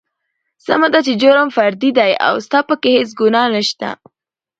سمه ده چې جرم فردي دى او ستا پکې هېڅ ګنا نشته.